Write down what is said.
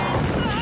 あ！